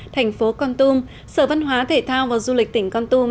thành phố con tum sở văn hóa thể thao và du lịch tỉnh con tum